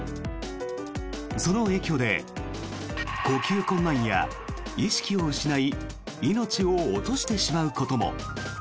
その影響で呼吸困難や意識を失い命を落としてしまうことも。